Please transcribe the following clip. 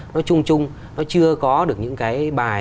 nó trung trung nó chưa có được những cái bài